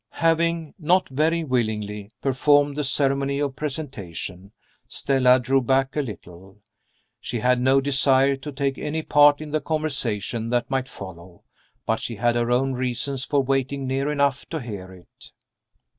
Having (not very willingly) performed the ceremony of presentation, Stella drew back a little. She had no desire to take any part in the conversation that might follow but she had her own reasons for waiting near enough to hear it.